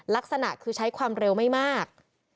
ลักษณะคือใช้ความเร็วไม่มาก